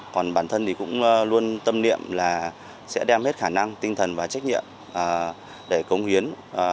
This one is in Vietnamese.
còn bản thân thì cũng luôn tâm niệm là sẽ đem hết khả năng tinh thần và trách nhiệm để cống hiến